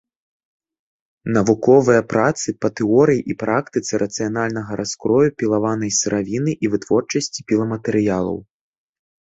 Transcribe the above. Навуковыя працы па тэорыі і практыцы рацыянальнага раскрою пілаванай сыравіны і вытворчасці піламатэрыялаў.